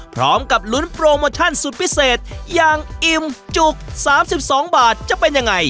พร้อมกับลุ้นโปรโมชั่นสุดพิเศษอย่างอิ่มจุก๓๒บาทจะเป็นยังไง